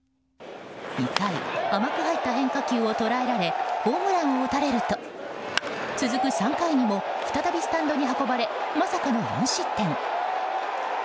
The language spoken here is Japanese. ２回、甘く入った変化球を捉えられホームランを打たれると続く３回にも再びスタンドに運ばれ、まさかの４失点。